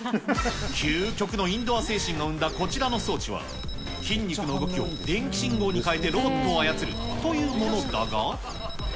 究極のインドア精神の生んだこちらの装置は、筋肉の動きを電気信号に変えてロボットを操るというものだが。